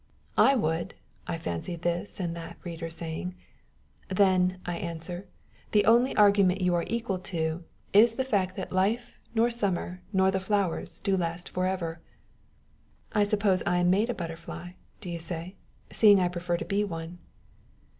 "I would," I fancy this and that reader saying. "Then," I answer, "the only argument you are equal to, is the fact that life nor summer nor the flowers do last for ever." "I suppose I am made a butterfly," do you say? "seeing I prefer to be one."